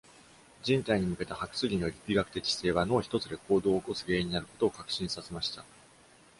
人体に向けたハクスリーの力学的姿勢は、脳ひとつで行動を起こす原因になることを確信させました。